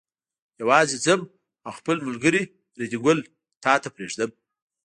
یوازې ځم او خپل ملګری ریډي ګل تا ته پرېږدم.